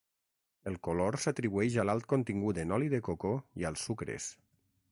El color s'atribueix a l'alt contingut en oli de coco i als sucres.